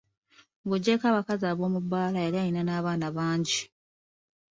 Ng'oggyeko abakazi ab'omubbaala yali alina n'abaana bangi.